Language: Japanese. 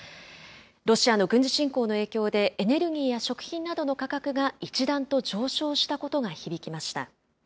ロシアの軍事侵攻の影響で、エネルギーや食品などの価格が一段と上昇したことが響きました。